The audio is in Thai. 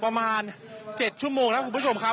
ประมาณ๗ชั่วโมงแล้วคุณผู้ชมครับ